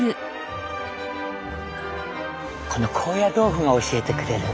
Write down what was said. この高野豆腐が教えてくれる。